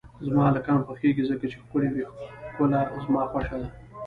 زما هلکان خوښیږی ځکه چی ښکلی وی ښکله زما خوشه ده